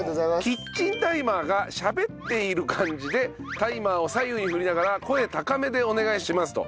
キッチンタイマーがしゃべっている感じでタイマーを左右に振りながら声高めでお願いしますと。